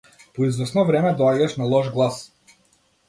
По извесно време доаѓаш на лош глас.